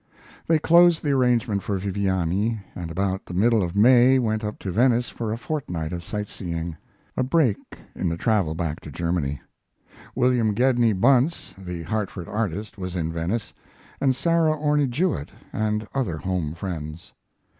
They closed the arrangement for Viviani, and about the middle of May went up to Venice for a fortnight of sight seeing a break in the travel back to Germany. William Gedney Bunce, the Hartford artist, was in Venice, and Sarah Orne Jewett and other home friends.